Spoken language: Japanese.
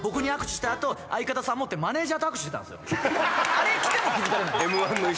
あれ着ても気付かれない。